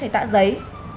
hay tạ giấy